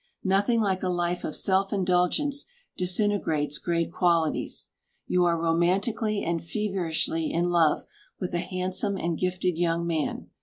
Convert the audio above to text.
Nothing like a life of self indulgence disintegrates great qualities. You are romantically and feverishly in love with a handsome and gifted young man.